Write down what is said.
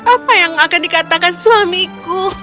apa yang akan dikatakan suamiku